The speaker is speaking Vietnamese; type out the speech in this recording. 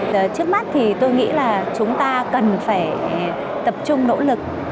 trước mắt thì tôi nghĩ là chúng ta cần phải tập trung nỗ lực